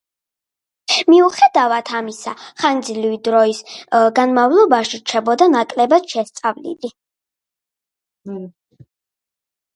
მიუხედავად ამისა ხანგრძლივი დროის განმავლობაში რჩებოდა ნაკლებად შესწავლილი.